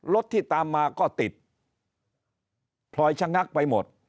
รถที่ตามมาก็ติดพลอยชะงักไปหมด